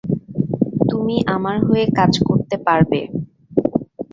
তুমি আমার হয়ে কাজ করতে পারবে।